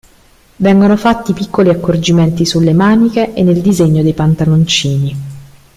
Vengono fatti piccoli accorgimenti sulle maniche e nel disegno dei pantaloncini.